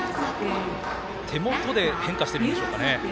手元で変化してるんでしょうかね。